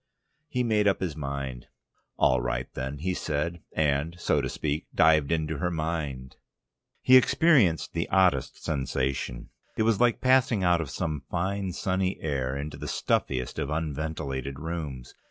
He made up his mind. "All right then," he said, and, so to speak, dived into her mind. He experienced the oddest sensation. It was like passing out of some fine, sunny air into the stuffiest of unventilated rooms.